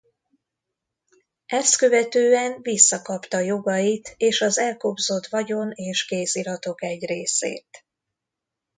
Ezt követően visszakapta jogait és az elkobzott vagyon és kéziratok egy részét.